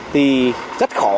thì rất khó